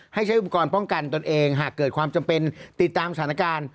ใช้อุปกรณ์ป้องกันตนเองหากเกิดความจำเป็นติดตามสถานการณ์